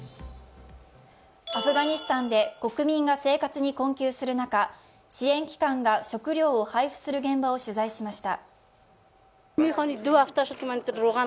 アフガニスタンで国民が生活に困窮する中、支援機関が食糧を配布する現場を取材しました。